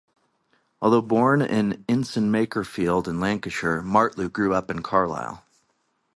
Although born in Ince-in-Makerfield in Lancashire, Martlew grew up in Carlisle.